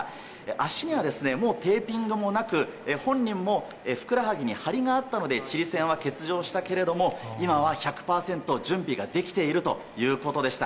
足にはもうテーピングもなく本人もふくらはぎに張りがあったのでチリ戦は欠場したけれど今は１００％準備ができているということでした。